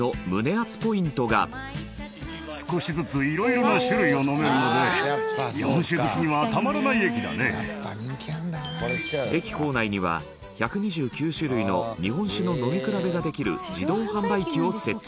アツポイントが駅構内には、１２９種類の日本酒の飲み比べができる自動販売機を設置